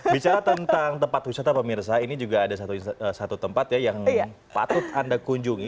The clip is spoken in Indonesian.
bicara tentang tempat wisata pemirsa ini juga ada satu tempat ya yang patut anda kunjungi